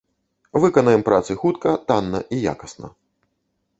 Выканаем працы хутка, танна і якасна.